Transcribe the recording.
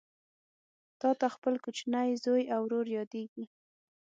تاته خپل کوچنی زوی او ورور یادیږي